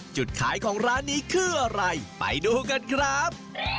จุดขายของร้านนี้คืออะไรไปดูกันครับ